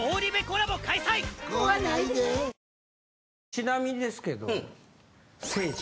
ちなみにですけどせいじ？